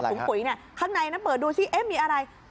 สอบปุ๋ยข้างในน่ะเปิดดูซิเอ๊ะมีอะไร